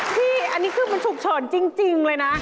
พี่อันนี้คือมันฉุกเฉินจริงเลยนะ